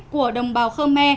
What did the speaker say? của đồng bào khơ me